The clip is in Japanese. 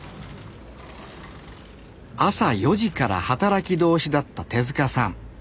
朝４時から働き通しだった手さん。